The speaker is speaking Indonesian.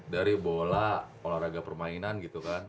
dari bola olahraga permainan gitu kan